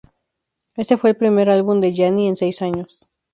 Este fue el primer álbum de Yanni en seis años.